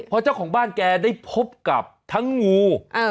เพราะเจ้าของบ้านแกได้พบกับทั้งงูทั้งสัตว์เล็กคลาน